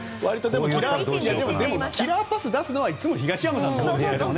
でもキラーパスを出すのはいつも東山さんですよ。